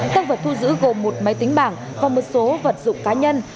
tăng vật thu giữ gồm một máy tính bảng và một số vật dụng cá nhân